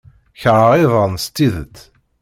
Keṛhen iḍan s tidet.